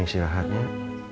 neng istri rahat nek